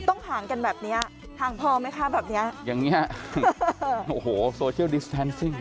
ต้องห่างกันแบบเนี้ยห่างพอไหมคะแบบเนี้ยอย่างเงี้ยโอ้โหโซเชียลดิสแทนซิ่ง